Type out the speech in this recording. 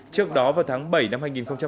trước đó vào tháng bảy năm hai nghìn hai mươi